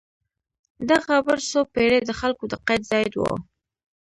دغه برج څو پېړۍ د خلکو د قید ځای و.